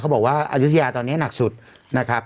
บอกว่าอายุทยาตอนนี้หนักสุดนะครับ